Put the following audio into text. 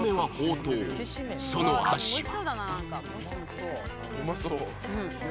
その味は？